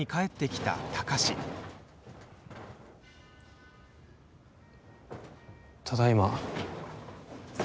ただいま。